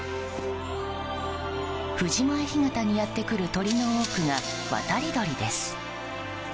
藤前干潟にやってくる鳥の多くが渡り鳥です。